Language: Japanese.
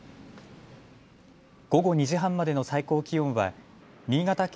午後２時半までの最高気温は新潟県